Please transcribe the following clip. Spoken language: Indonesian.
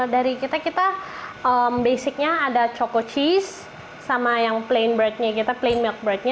dari kita kita basicnya ada choco cheese dan plain milk bread